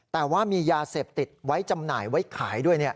แต่ว่ามียาเสพติดไว้จำหน่ายไว้ขายด้วย